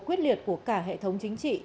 quyết liệt của cả hệ thống chính trị